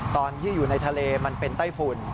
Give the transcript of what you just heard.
ตอนที่อยู่ในทะเลมันเป็นไต้ฝุ่น